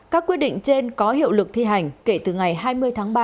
các quyết định trên có hiệu lực thi hành kể từ ngày hai mươi tháng ba năm hai nghìn hai mươi bốn